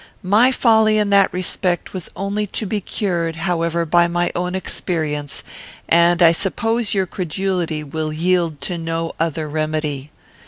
My folly, in that respect, was only to be cured, however, by my own experience, and I suppose your credulity will yield to no other remedy.